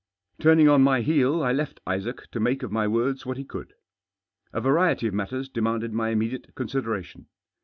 Turning on my heel I left Isaac to make of my words what he could. A variety of matters demanded my immediate consideration.